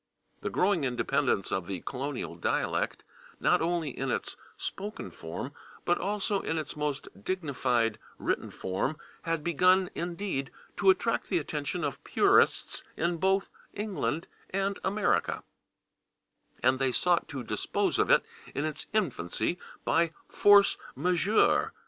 The growing independence of the colonial dialect, not only in its spoken form, but also in its most dignified written form, had begun, indeed, to attract the attention of purists in both England and America, and they sought to dispose of it in its infancy by /force majeure